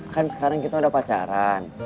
kan sekarang kita udah pacaran